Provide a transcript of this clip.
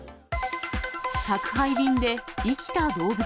宅配便で生きた動物。